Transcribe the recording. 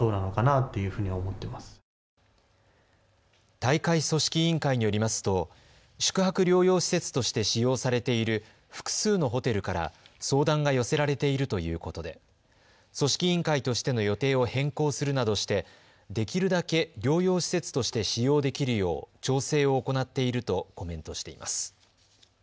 大会組織委員会によりますと宿泊療養施設として使用されている複数のホテルから相談が寄せられているということで組織委員会としての予定を変更するなどしてできるだけ療養施設として使用できるよう調整を行っているとコメントしています。